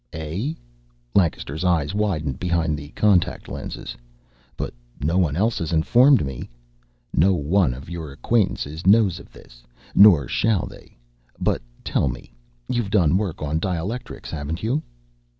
"Eh?" Lancaster's eyes widened behind the contact lenses. "But no one else has informed me " "No one of your acquaintance knows of this. Nor shall they. But tell me, you've done work on dielectrics, haven't you?"